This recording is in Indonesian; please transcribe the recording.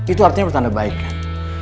itu artinya pertanda baikan